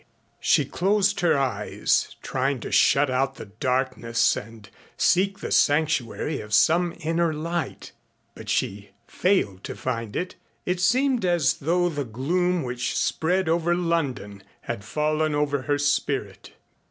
She closed her eyes trying to shut out the darkness and seek the sanctuary of some inner light, but she failed to find it. It seemed as though the gloom which spread over London had fallen over her spirit.